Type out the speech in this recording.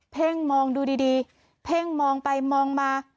่งมองดูดีเพ่งมองไปมองมา